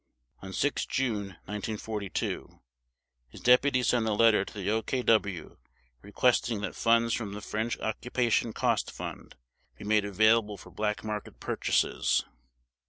On 6 June 1942 his deputy sent a letter to the OKW requesting that funds from the French Occupation Cost Fund be made available for black market purchases.